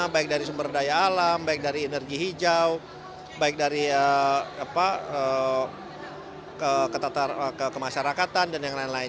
baik dari sumber daya alam baik dari energi hijau baik dari ketata kemasyarakatan dan yang lain lain